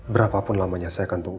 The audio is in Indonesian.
berapapun lamanya saya akan tunggu